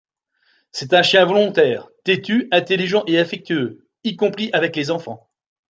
C'est un chien volontaire, têtu, intelligent et affectueux, y compris avec les enfants.